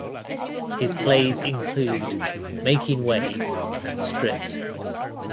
His plays include "Making Waves" and "Stripped".